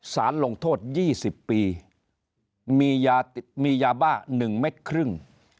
สารลงโทษ๒๐ปีมียาบ้า๑เม็ดครึ่ง